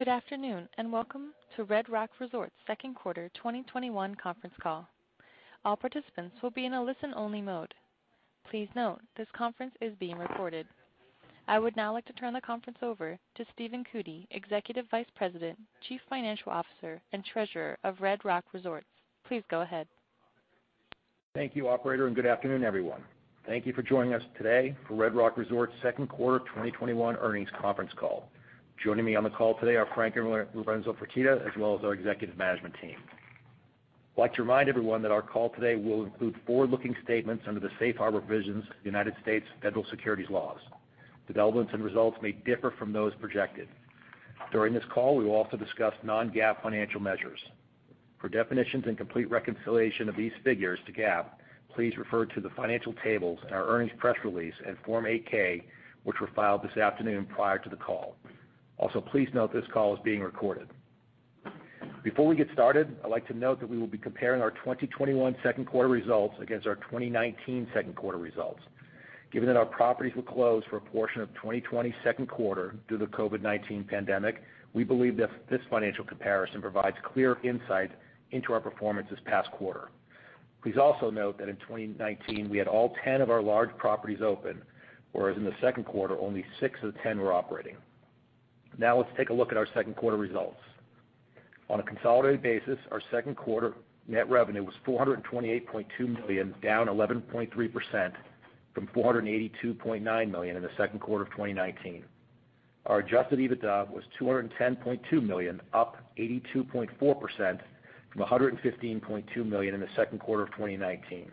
Good afternoon, and welcome to Red Rock Resorts' Q2 2021 conference call. I would now like to turn the conference over to Stephen Cootey, Executive Vice President, Chief Financial Officer, and Treasurer of Red Rock Resorts. Please go ahead. Thank you, operator, and good afternoon, everyone. Thank you for joining us today for Red Rock Resorts' second quarter 2021 earnings conference call. Joining me on the call today are Frank and Lorenzo Fertitta, as well as our executive management team. I'd like to remind everyone that our call today will include forward-looking statements under the safe harbor provisions of United States federal securities laws. Developments and results may differ from those projected. During this call, we will also discuss non-GAAP financial measures. For definitions and complete reconciliation of these figures to GAAP, please refer to the financial tables in our earnings press release and Form 8-K, which were filed this afternoon prior to the call. Please note this call is being recorded. Before we get started, I'd like to note that we will be comparing our 2021 second quarter results against our 2019 second quarter results. Given that our properties were closed for a portion of 2020 second quarter due to the COVID-19 pandemic, we believe this financial comparison provides clear insight into our performance this past quarter. Please also note that in 2019, we had all 10 of our large properties open, whereas in the second quarter, only six of the 10 were operating. Now let's take a look at our second quarter results. On a consolidated basis, our second quarter net revenue was $428.2 million, down 11.3% from $482.9 million in the second quarter of 2019. Our adjusted EBITDA was $210.2 million, up 82.4% from $115.2 million in the second quarter of 2019.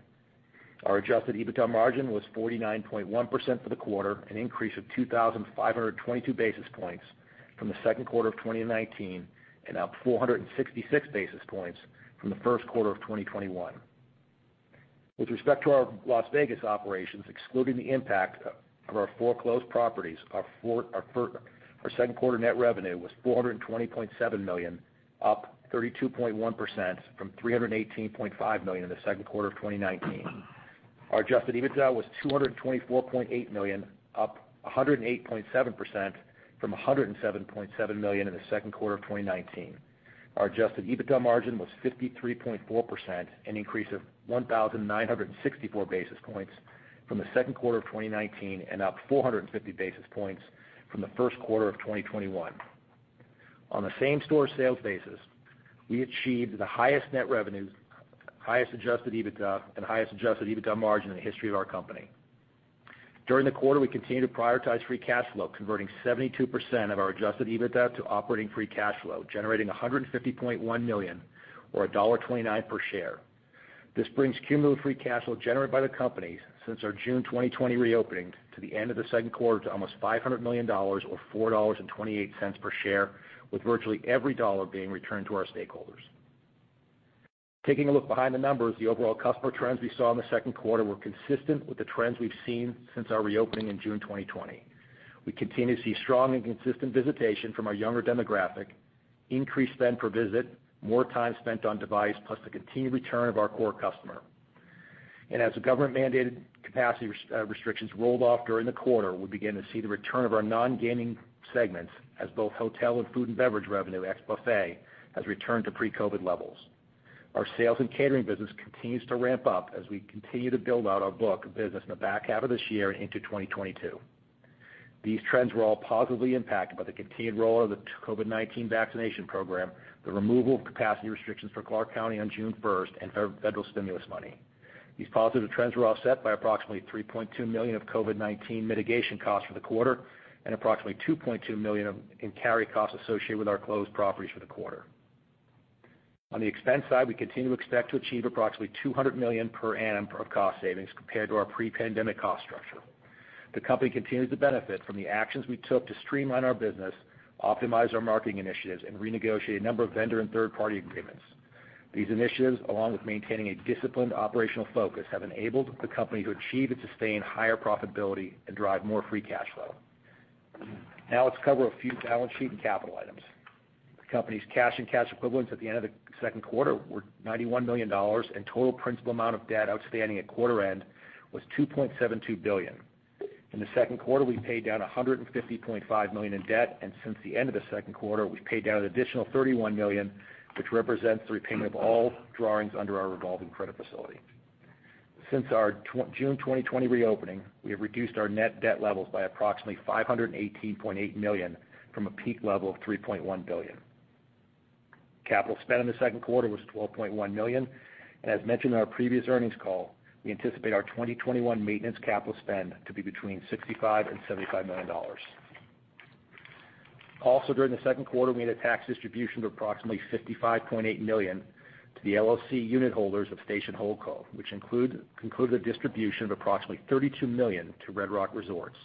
Our adjusted EBITDA margin was 49.1% for the quarter, an increase of 2,522 basis points from the second quarter of 2019, and up 466 basis points from the first quarter of 2021. With respect to our Las Vegas operations, excluding the impact of our four closed properties, our second-quarter net revenue was $420.7 million, up 32.1% from $318.5 million in the second quarter of 2019. Our adjusted EBITDA was $224.8 million, up 108.7% from $107.7 million in the second quarter of 2019. Our adjusted EBITDA margin was 53.4%, an increase of 1,964 basis points from the second quarter of 2019 and up 450 basis points from the first quarter of 2021. On a same-store sales basis, we achieved the highest net revenues, highest adjusted EBITDA, and highest adjusted EBITDA margin in the history of our company. During the quarter, we continued to prioritize free cash flow, converting 72% of our adjusted EBITDA to operating free cash flow, generating $150.1 million or $1.29 per share. This brings cumulative free cash flow generated by the company since our June 2020 reopening to the end of the second quarter to almost $500 million, or $4.28 per share, with virtually every dollar being returned to our stakeholders. Taking a look behind the numbers, the overall customer trends we saw in the second quarter were consistent with the trends we've seen since our reopening in June 2020. We continue to see strong and consistent visitation from our younger demographic, increased spend per visit, more time spent on device, plus the continued return of our core customer. As the government-mandated capacity restrictions rolled off during the quarter, we began to see the return of our non-gaming segments as both hotel and food and beverage revenue ex-buffet has returned to pre-COVID levels. Our sales and catering business continues to ramp up as we continue to build out our book of business in the back half of this year and into 2022. These trends were all positively impacted by the continued roll-out of the COVID-19 vaccination program, the removal of capacity restrictions for Clark County on June 1st, and federal stimulus money. These positive trends were offset by approximately $3.2 million of COVID-19 mitigation costs for the quarter and approximately $2.2 million in carry costs associated with our closed properties for the quarter. On the expense side, we continue to expect to achieve approximately $200 million per annum of cost savings compared to our pre-pandemic cost structure. The company continues to benefit from the actions we took to streamline our business, optimize our marketing initiatives, and renegotiate a number of vendor and third-party agreements. These initiatives, along with maintaining a disciplined operational focus, have enabled the company to achieve and sustain higher profitability and drive more free cash flow. Let's cover a few balance sheet and capital items. The company's cash and cash equivalents at the end of the second quarter were $91 million, and total principal amount of debt outstanding at quarter end was $2.72 billion. In the second quarter, we paid down $150.5 million in debt, and since the end of the second quarter, we've paid down an additional $31 million, which represents the repayment of all drawings under our revolving credit facility. Since our June 2020 reopening, we have reduced our net debt levels by approximately $518.8 million from a peak level of $3.1 billion. Capital spend in the second quarter was $12.1 million, and as mentioned in our previous earnings call, we anticipate our 2021 maintenance capital spend to be between $65 million and $75 million. Also, during the second quarter, we made a tax distribution of approximately $55.8 million to the LLC unit holders of Station Holdco, which included a distribution of approximately $32 million to Red Rock Resorts.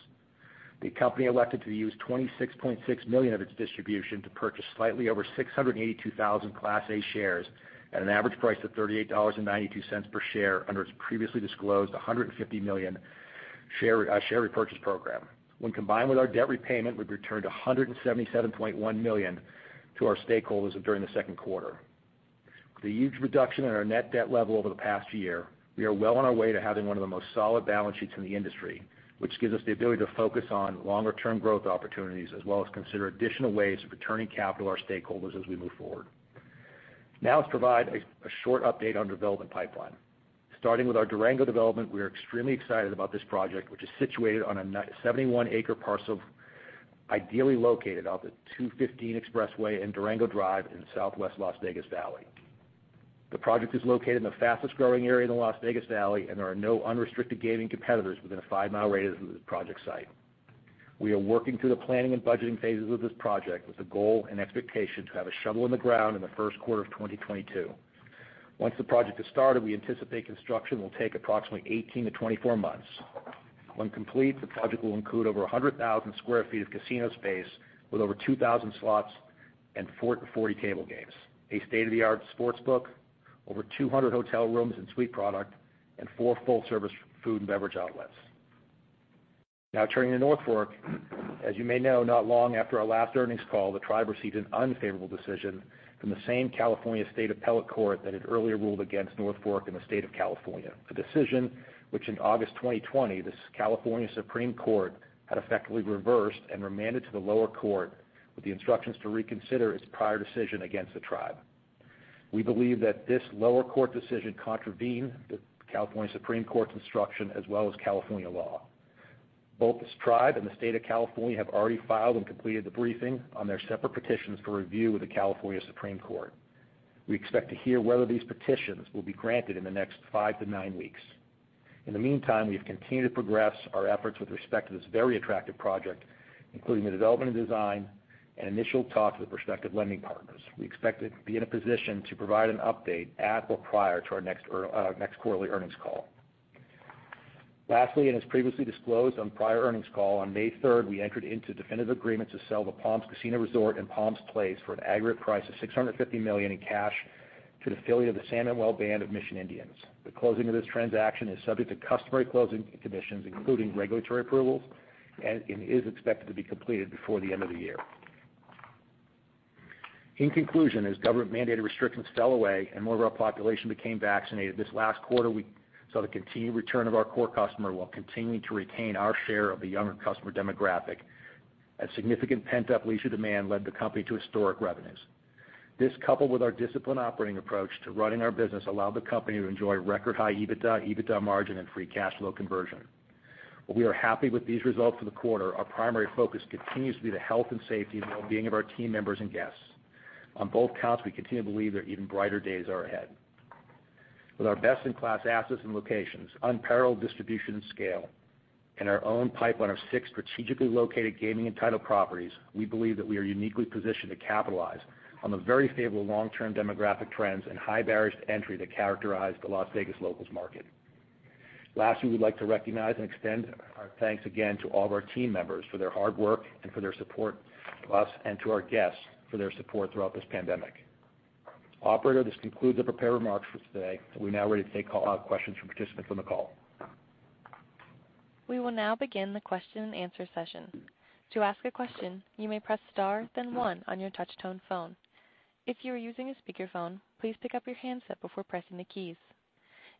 The company elected to use $26.6 million of its distribution to purchase slightly over 682,000 Class A shares at an average price of $38.92 per share under its previously disclosed 150 million share repurchase program. When combined with our debt repayment, we've returned $177.1 million to our stakeholders during the second quarter. The huge reduction in our net debt level over the past year, we are well on our way to having one of the most solid balance sheets in the industry, which gives us the ability to focus on longer-term growth opportunities, as well as consider additional ways of returning capital to our stakeholders as we move forward. Let's provide a short update on development pipeline. Starting with our Durango development, we are extremely excited about this project, which is situated on a 71-acre parcel, ideally located off the 215 Expressway in Durango Drive in southwest Las Vegas Valley. The project is located in the fastest-growing area in the Las Vegas Valley, there are no unrestricted gaming competitors within a five-mile radius of the project site. We are working through the planning and budgeting phases of this project with the goal and expectation to have a shovel in the ground in the first quarter of 2022. Once the project is started, we anticipate construction will take approximately 18-24 months. When complete, the project will include over 100,000 sq ft of casino space with over 2,000 slots and 40 table games, a state-of-the-art sportsbook, over 200 hotel rooms and suite product, and four full-service food and beverage outlets. Now turning to North Fork. As you may know, not long after our last earnings call, the tribe received an unfavorable decision from the same California State appellate court that had earlier ruled against North Fork and the state of California. A decision which in August 2020, the California Supreme Court had effectively reversed and remanded to the lower court with the instructions to reconsider its prior decision against the tribe. We believe that this lower court decision contravenes the California Supreme Court's instruction, as well as California law. Both this tribe and the state of California have already filed and completed the briefing on their separate petitions for review with the California Supreme Court. We expect to hear whether these petitions will be granted in the next five to nine weeks. In the meantime, we have continued to progress our efforts with respect to this very attractive project, including the development and design and initial talks with prospective lending partners. We expect to be in a position to provide an update at or prior to our next quarterly earnings call. Lastly, as previously disclosed on prior earnings call, on May 3rd, we entered into definitive agreements to sell the Palms Casino Resort and Palms Place for an aggregate price of $650 million in cash to an affiliate of the San Manuel Band of Mission Indians. The closing of this transaction is subject to customary closing conditions, including regulatory approvals, and it is expected to be completed before the end of the year. In conclusion, as government-mandated restrictions fell away and more of our population became vaccinated this last quarter, we saw the continued return of our core customer while continuing to retain our share of the younger customer demographic as significant pent-up leisure demand led the company to historic revenues. This, coupled with our disciplined operating approach to running our business, allowed the company to enjoy record high EBITDA margin, and free cash flow conversion. While we are happy with these results for the quarter, our primary focus continues to be the health and safety and wellbeing of our team members and guests. On both counts, we continue to believe that even brighter days are ahead. With our best-in-class assets and locations, unparalleled distribution and scale, and our own pipeline of six strategically located gaming-entitled properties, we believe that we are uniquely positioned to capitalize on the very favorable long-term demographic trends and high barriers to entry that characterize the Las Vegas locals market. Last, we would like to recognize and extend our thanks again to all of our team members for their hard work and for their support to us and to our guests for their support throughout this pandemic. Operator, this concludes the prepared remarks for today. We are now ready to take questions from participants on the call. We will now begin the question and answer session. To ask a question, you may press star then one on your touch-tone phone. If you are using a speakerphone, please pick up your handset before pressing the keys.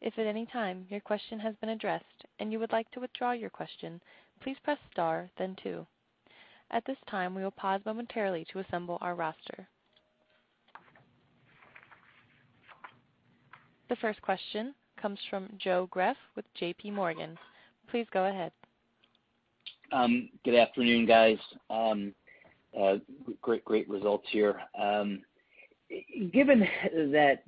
If at any time your question has been addressed and you would like to withdraw your question, please press star then two. At this time, we will pause momentarily to assemble our roster. The first question comes from Joe Greff with JPMorgan. Please go ahead. Good afternoon, guys. Great results here. Given that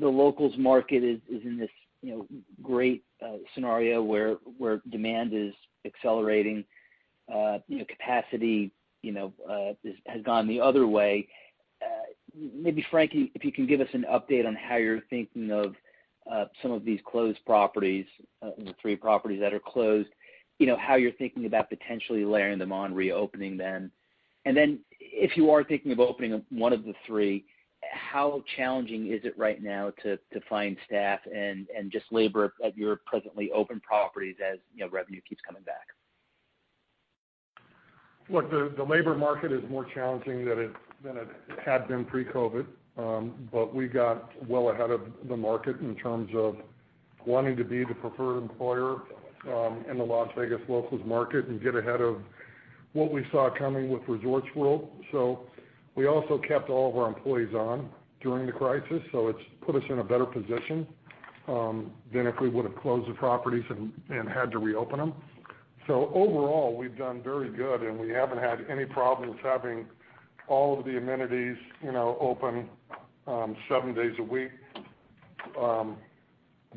the locals market is in this great scenario where demand is accelerating, capacity has gone the other way, maybe Frankie, if you can give us an update on how you're thinking of some of these closed properties, the three properties that are closed, how you're thinking about potentially layering them on, reopening them. If you are thinking of opening up one of the three, how challenging is it right now to find staff and just labor at your presently open properties as revenue keeps coming back? Look, the labor market is more challenging than it had been pre-COVID, but we got well ahead of the market in terms of wanting to be the preferred employer in the Las Vegas locals market and get ahead of what we saw coming with Resorts World. We also kept all of our employees on during the crisis, so it's put us in a better position than if we would've closed the properties and had to reopen them. Overall, we've done very good, and we haven't had any problems having all of the amenities open seven days a week.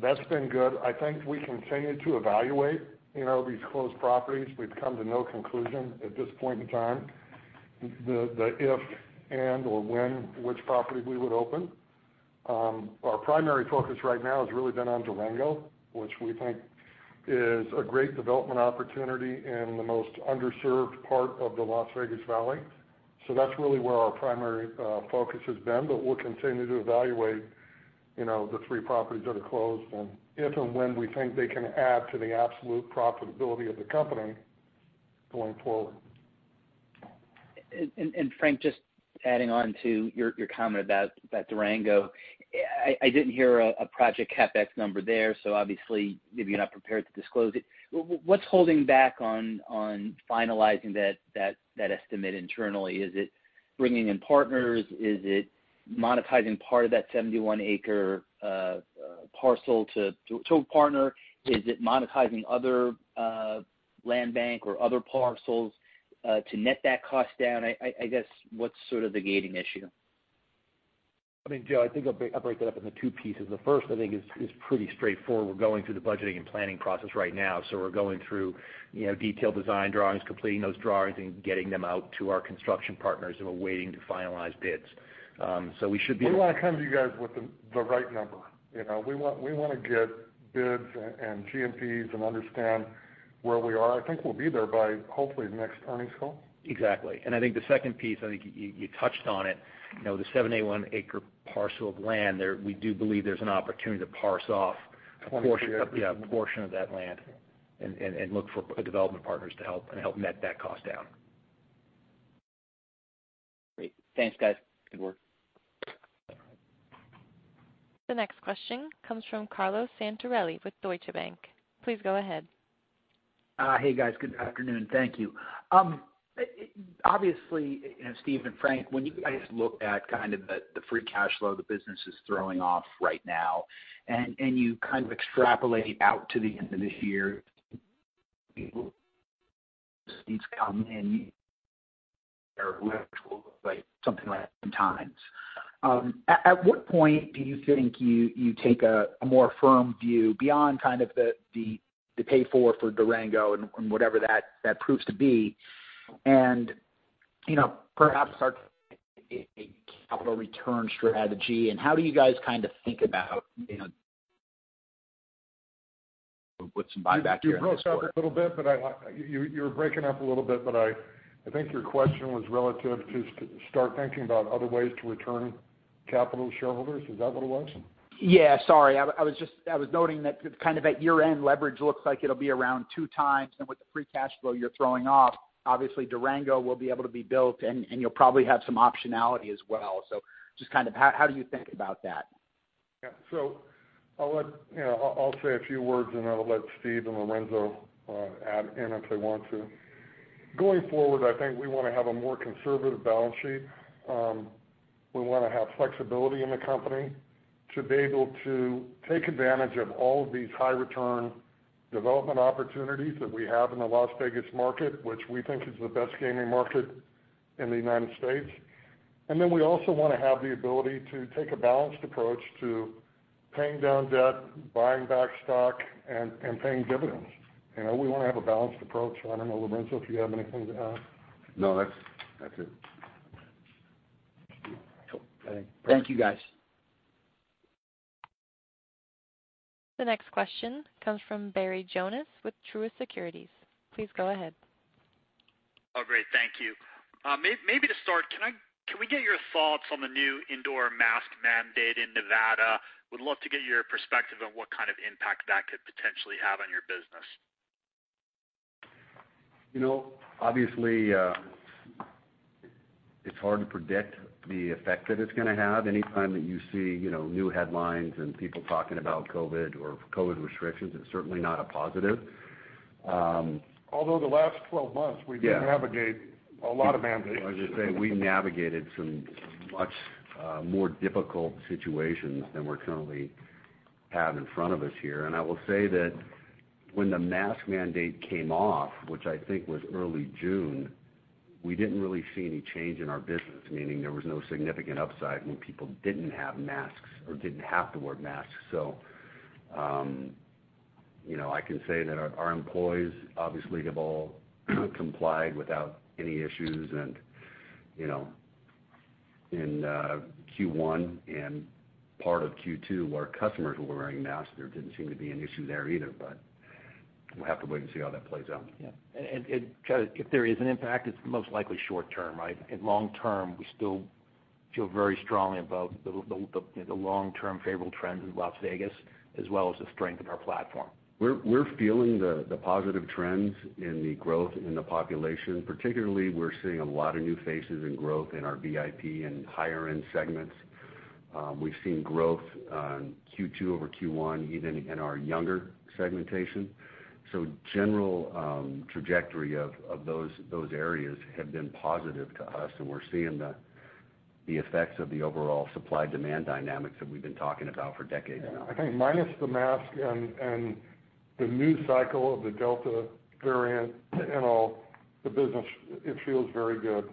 That's been good. I think we continue to evaluate these closed properties. We've come to no conclusion at this point in time, the if, and, or when, which property we would open. Our primary focus right now has really been on Durango, which we think is a great development opportunity in the most underserved part of the Las Vegas Valley. That's really where our primary focus has been, but we'll continue to evaluate the three properties that are closed and if and when we think they can add to the absolute profitability of the company going forward. Frank, just adding on to your comment about Durango. I didn't hear a project CapEx number there, obviously maybe you're not prepared to disclose it. What's holding back on finalizing that estimate internally? Is it bringing in partners? Is it monetizing part of that 71-acre parcel to a partner? Is it monetizing other land bank or other parcels to net that cost down? What's sort of the gating issue? I mean, Joe, I think I'll break that up into two pieces. The first, I think, is pretty straightforward. We're going through the budgeting and planning process right now. We're going through detailed design drawings, completing those drawings, and getting them out to our construction partners, and we're waiting to finalize bids. We want to come to you guys with the right number. We want to get bids and GMPs and understand where we are. I think we'll be there by hopefully next earnings call. Exactly. I think the second piece, I think you touched on it. The 71-acre parcel of land there, we do believe there's an opportunity to parse off. A portion. yeah, a portion of that land and look for development partners to help net that cost down. Great. Thanks, guys. Good work. The next question comes from Carlo Santarelli with Deutsche Bank. Please go ahead. Hey, guys. Good afternoon. Thank you. Obviously, Steve and Frank, when you guys look at kind of the free cash flow the business is throwing off right now, and you kind of extrapolate out to the end of the year. At what point do you think you take a more firm view beyond kind of the pay for Durango and whatever that proves to be, and perhaps a capital return strategy, and how do you guys kind of put some buyback here? You were breaking up a little bit, but I think your question was relative to start thinking about other ways to return capital to shareholders. Is that what it was? Yeah, sorry. I was noting that kind of at year-end, leverage looks like it'll be around 2x, and with the free cash flow you're throwing off, obviously Durango will be able to be built, and you'll probably have some optionality as well. Just how do you think about that? Yeah. I'll say a few words, and I'll let Stephen and Lorenzo add in if they want to. Going forward, I think we want to have a more conservative balance sheet. We want to have flexibility in the company to be able to take advantage of all of these high return development opportunities that we have in the Las Vegas market, which we think is the best gaming market in the United States. We also want to have the ability to take a balanced approach to paying down debt, buying back stock, and paying dividends. We want to have a balanced approach. I don't know, Lorenzo, if you have anything to add. No, that's it. Thank you, guys. The next question comes from Barry Jonas with Truist Securities. Please go ahead. Oh, great. Thank you. Maybe to start, can we get your thoughts on the new indoor mask mandate in Nevada? Would love to get your perspective on what kind of impact that could potentially have on your business. Obviously, it's hard to predict the effect that it's going to have. Anytime that you see new headlines and people talking about COVID or COVID restrictions, it's certainly not a positive. Although the last 12 months, we did navigate a lot of mandates. I was going to say, we navigated some much more difficult situations than we currently have in front of us here. I will say that when the mask mandate came off, which I think was early June, we didn't really see any change in our business, meaning there was no significant upside when people didn't have masks or didn't have to wear masks. I can say that our employees obviously have all complied without any issues and, in Q1 and part of Q2, our customers were wearing masks. There didn't seem to be an issue there either. We'll have to wait and see how that plays out. Yeah. If there is an impact, it's most likely short-term, right? Long term, we still feel very strongly about the long-term favorable trends in Las Vegas, as well as the strength of our platform. We're feeling the positive trends in the growth in the population. Particularly, we're seeing a lot of new faces and growth in our VIP and higher-end segments. We've seen growth Q2-over-Q1, even in our younger segmentation. General trajectory of those areas have been positive to us, and we're seeing the effects of the overall supply-demand dynamics that we've been talking about for decades now. I think minus the mask and the new cycle of the Delta variant and all, the business, it feels very good.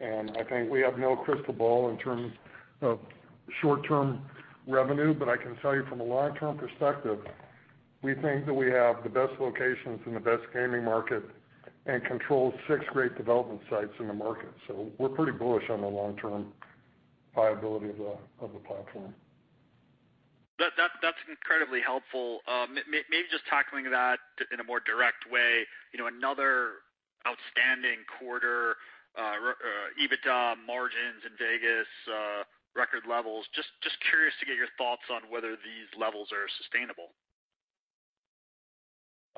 I think we have no crystal ball in terms of short-term revenue, but I can tell you from a long-term perspective, we think that we have the best locations in the best gaming market and control 6 great development sites in the market. We're pretty bullish on the long-term viability of the platform. That's incredibly helpful. Maybe just tackling that in a more direct way. Another outstanding quarter, EBITDA margins in Vegas, record levels. Just curious to get your thoughts on whether these levels are sustainable.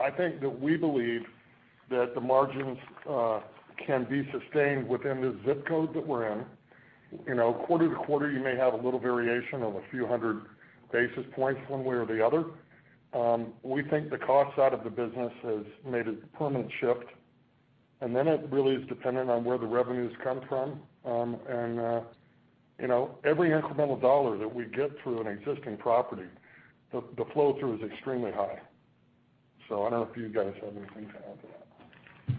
I think that we believe that the margins can be sustained within the ZIP code that we're in. Quarter to quarter, you may have a little variation of a few hundred basis points one way or the other. We think the cost side of the business has made a permanent shift, and then it really is dependent on where the revenues come from. Every incremental dollar that we get through an existing property, the flow-through is extremely high. I don't know if you guys have anything to add to that.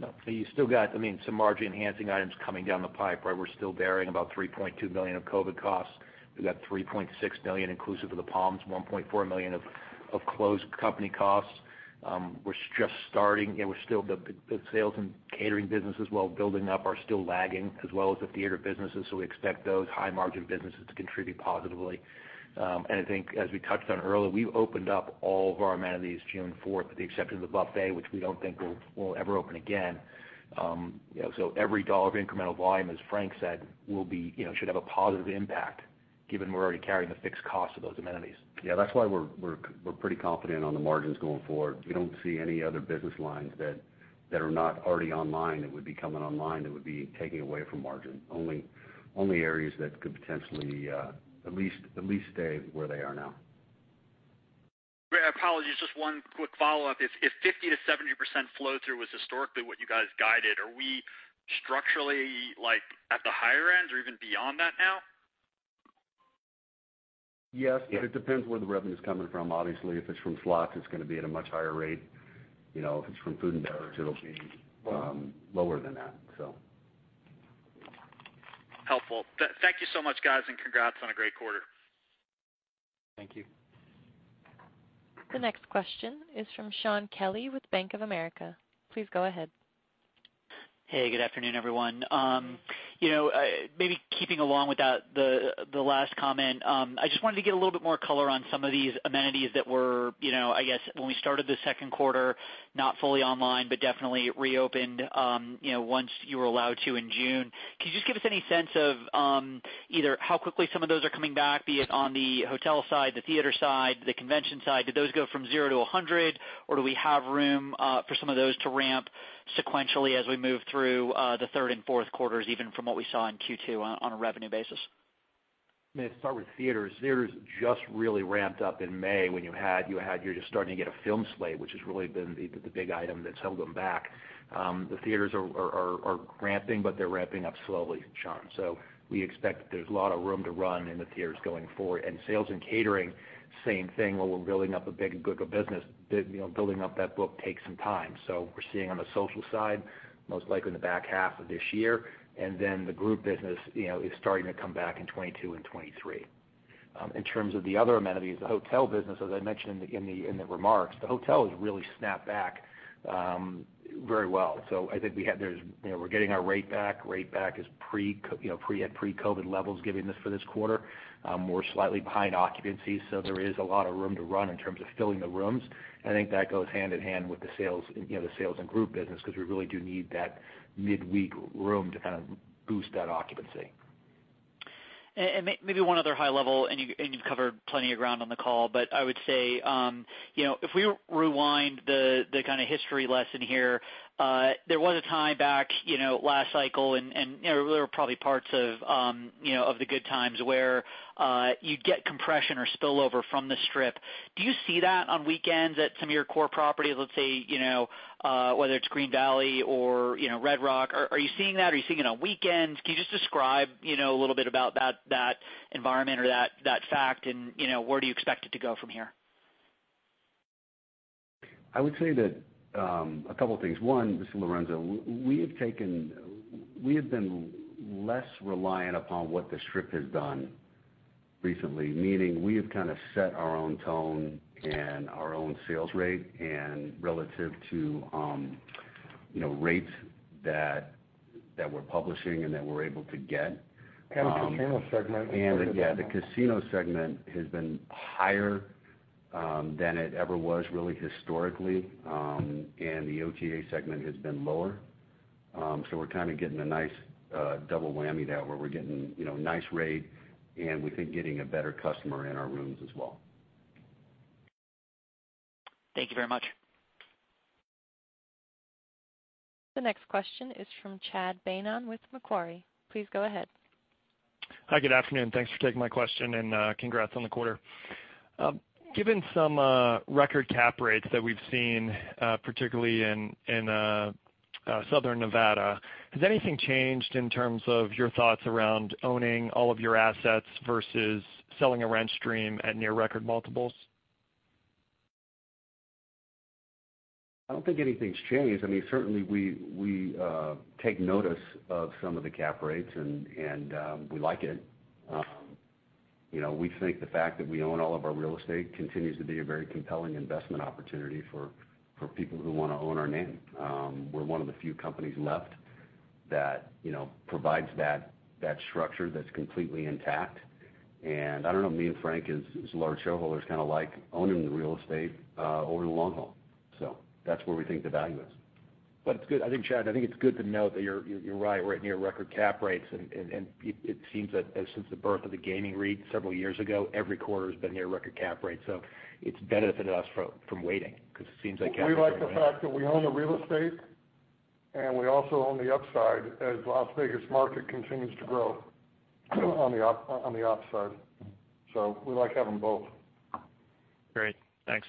No. You still got some margin enhancing items coming down the pipe, right? We're still bearing about $3.2 million of COVID costs. We got $3.6 million inclusive of the Palms, $1.4 million of closed company costs. The sales and catering business as well, building up, are still lagging, as well as the theater businesses. We expect those high margin businesses to contribute positively. I think as we touched on earlier, we've opened up all of our amenities June 4th, with the exception of the buffet, which we don't think will ever open again. Every dollar of incremental volume, as Frank said, should have a positive impact given we're already carrying the fixed cost of those amenities. That's why we're pretty confident on the margins going forward. We don't see any other business lines that are not already online that would be coming online that would be taking away from margin. Only areas that could potentially at least stay where they are now. I apologize, just one quick follow-up. If 50%-70% flow-through was historically what you guys guided, are we structurally at the higher end or even beyond that now? Yes. Yes. It depends where the revenue's coming from. Obviously, if it's from slots, it's going to be at a much higher rate. If it's from food and beverage, it'll be lower than that. Helpful. Thank you so much, guys, and congrats on a great quarter. Thank you. The next question is from Shaun Kelley with Bank of America. Please go ahead. Hey, good afternoon, everyone. Maybe keeping along with the last comment, I just wanted to get a little bit more color on some of these amenities that were, I guess, when we started the second quarter, not fully online, but definitely reopened once you were allowed to in June. Could you just give us any sense of either how quickly some of those are coming back, be it on the hotel side, the theater side, the convention side? Do those go from 0-100, or do we have room for some of those to ramp sequentially as we move through the third and fourth quarters, even from what we saw in Q2 on a revenue basis? I'm going to start with theaters. Theaters just really ramped up in May when you're just starting to get a film slate, which has really been the big item that's held them back. The theaters are ramping, they're ramping up slowly, Shaun. We expect that there's a lot of room to run in the theaters going forward. Sales and catering, same thing, where we're building up a big book of business. Building up that book takes some time. We're seeing on the social side, most likely in the back half of this year, and then the group business is starting to come back in 2022 and 2023. In terms of the other amenities, the hotel business, as I mentioned in the remarks, the hotel has really snapped back very well. I think we're getting our rate back. Rate back is at pre-COVID levels given for this quarter. We're slightly behind occupancy. There is a lot of room to run in terms of filling the rooms. I think that goes hand in hand with the sales and group business because we really do need that midweek room to kind of boost that occupancy. Maybe one other high level, you've covered plenty of ground on the call, I would say, if we rewind the kind of history lesson here, there was a time back last cycle and there were probably parts of the good times where you'd get compression or spillover from the Strip. Do you see that on weekends at some of your core properties, let's say, whether it's Green Valley or Red Rock? Are you seeing that? Are you seeing it on weekends? Can you just describe a little bit about that environment or that fact and where do you expect it to go from here? I would say two things. One, this is Lorenzo, we have been less reliant upon what the Strip has done recently, meaning we have kind of set our own tone and our own sales rate and relative to rates that we're publishing and that we're able to get. Kind of the casino segment in particular now. Yeah, the casino segment has been higher than it ever was really historically. The OTA segment has been lower. We're kind of getting a nice double whammy there where we're getting a nice rate and we think getting a better customer in our rooms as well. Thank you very much. The next question is from Chad Beynon with Macquarie. Please go ahead. Hi, good afternoon. Thanks for taking my question and congrats on the quarter. Given some record cap rates that we've seen, particularly in Southern Nevada, has anything changed in terms of your thoughts around owning all of your assets versus selling a rent stream at near record multiples? I don't think anything's changed. Certainly, we take notice of some of the cap rates, and we like it. We think the fact that we own all of our real estate continues to be a very compelling investment opportunity for people who want to own our name. We're one of the few companies left that provides that structure that's completely intact. I don't know, me and Frank as large shareholders kind of like owning the real estate over the long haul. That's where we think the value is. It's good. I think, Chad, I think it's good to note that you're right near record cap rates, and it seems that since the birth of the gaming REIT several years ago, every quarter has been near record cap rates. It's benefited us from waiting because it seems like cap rates. We like the fact that we own the real estate, and we also own the upside as the Las Vegas market continues to grow on the upside. We like having both. Great. Thanks.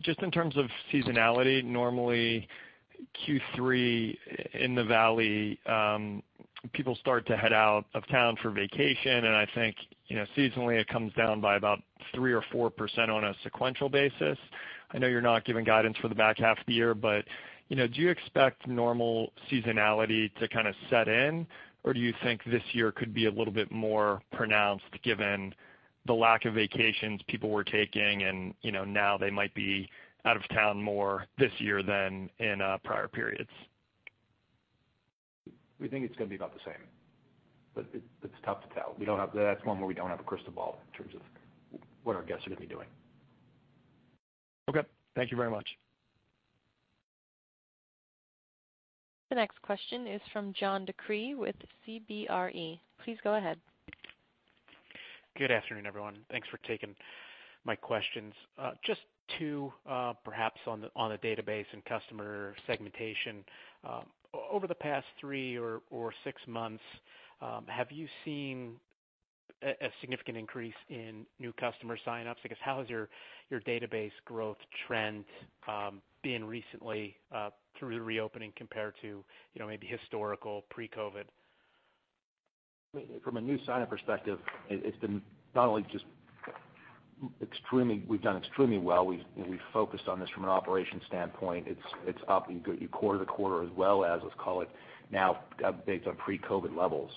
Just in terms of seasonality, normally Q3 in the Valley, people start to head out of town for vacation, and I think seasonally, it comes down by about 3% or 4% on a sequential basis. I know you're not giving guidance for the back half of the year, but do you expect normal seasonality to kind of set in? Do you think this year could be a little bit more pronounced given the lack of vacations people were taking, and now they might be out of town more this year than in prior periods? We think it's going to be about the same, but it's tough to tell. That's one where we don't have a crystal ball in terms of what our guests are going to be doing. Okay. Thank you very much. The next question is from John DeCree with CBRE. Please go ahead. Good afternoon, everyone. Thanks for taking my questions. Just two perhaps on the database and customer segmentation. Over the past 3 or 6 months, have you seen a significant increase in new customer sign-ups? I guess how has your database growth trend been recently through the reopening compared to maybe historical pre-COVID? From a new sign-up perspective, it's been not only just we've done extremely well. We've focused on this from an operations standpoint. It's up quarter-to-quarter as well as, let's call it now, based on pre-COVID-19 levels.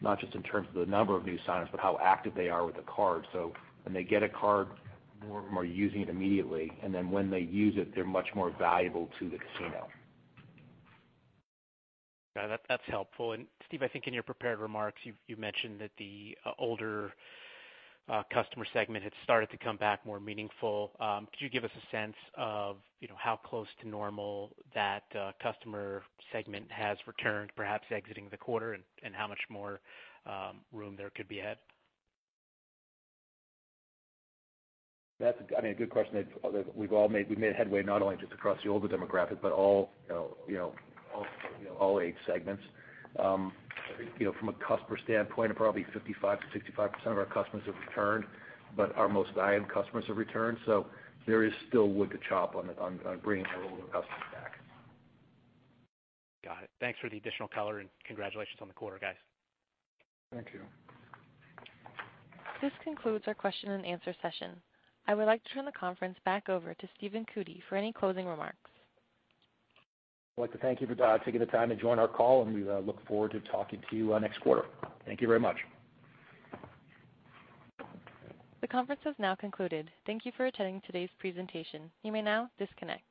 Not just in terms of the number of new sign-ups, but how active they are with the card. When they get a card, more of them are using it immediately, and then when they use it, they're much more valuable to the casino. Yeah, that's helpful. Steve, I think in your prepared remarks, you mentioned that the older customer segment had started to come back more meaningful. Could you give us a sense of how close to normal that customer segment has returned, perhaps exiting the quarter and how much more room there could be ahead? That's a good question. We've made headway not only just across the older demographic, but all age segments. From a customer standpoint, probably 55%-65% of our customers have returned. Our most valued customers have returned. There is still wood to chop on bringing our older customers back. Got it. Thanks for the additional color and congratulations on the quarter, guys. Thank you. This concludes our question and answer session. I would like to turn the conference back over to Stephen Cootey for any closing remarks. I'd like to thank you for taking the time to join our call, and we look forward to talking to you next quarter. Thank you very much. The conference has now concluded. Thank you for attending today's presentation. You may now disconnect.